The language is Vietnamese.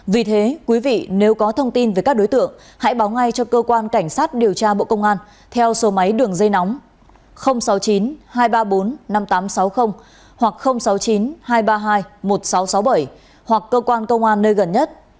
vì thế quý vị nếu có thông tin về các đối tượng hãy báo ngay cho cơ quan cảnh sát điều tra bộ công an theo số máy đường dây nóng sáu mươi chín hai trăm ba mươi bốn năm nghìn tám trăm sáu mươi hoặc sáu mươi chín hai trăm ba mươi hai một nghìn sáu trăm sáu mươi bảy hoặc cơ quan công an nơi gần nhất